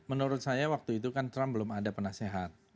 menurut saya waktu itu kan trump belum ada penasehat